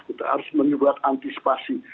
kita harus menyebutkan antisipasi